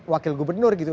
wakil gubernur gitu